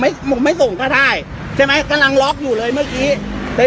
ไม่ส่งก็ได้ใช่ไหมกำลังล็อกอยู่เลยเมื่อกี้แต่